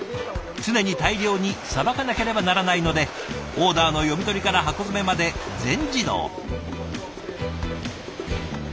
常に大量にさばかなければならないのでオーダーの読み取りから箱詰めまで全自動。